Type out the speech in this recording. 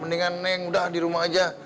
mendingan neng udah di rumah aja